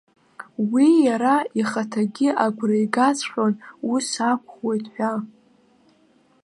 Уи иара ихаҭагьы агәра игаҵәҟьон ус акәхоит ҳәа.